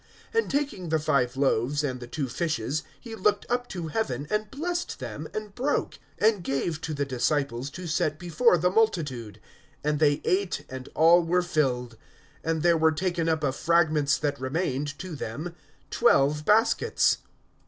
(16)And taking the five loaves and the two fishes, he looked up to heaven and blessed them, and broke, and gave to the disciples to set before the multitude. (17)And they ate, and were all filled. And there were taken up of fragments that remained to them twelve baskets.